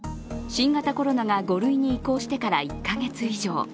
新型コロナが５類に移行してから１か月以上。